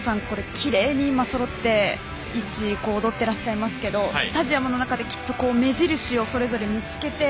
きれいにそろって踊っていらっしゃいますけどスタジアムの中で、きっと目印をそれぞれ見つけて。